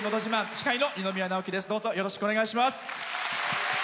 司会の二宮直輝です。